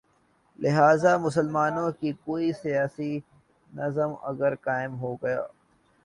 لہذا مسلمانوں میں کوئی سیاسی نظم اگر قائم ہو گا۔